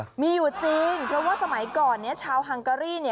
มันมีอยู่จริงแต่ว่าสมัยก่อนชาวฮังการี